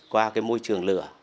qua cái môi trường lửa